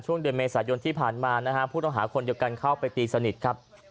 ช่วงเดือนเมษายนที่ผ่านมานะฮะผู้ต้องหาคนเดียวกันเข้าไปตีสนิทครับ